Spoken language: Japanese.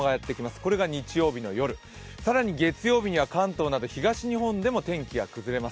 これが日曜日の夜、更に月曜日には関東など東日本でも天気が崩れます。